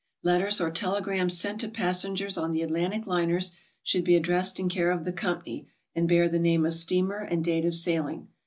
Letters or telegrams sent to passengers on the Atlantic liners should be addressed in care of the Company, and bear the name of steamer and date of sailing.